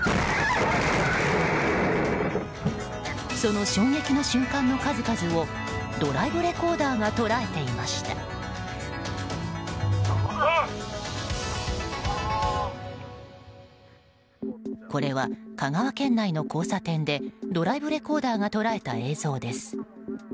その衝撃の瞬間の数々をドライブレコーダーがこれは香川県内の交差点でドライブレコーダーが捉えた映像です。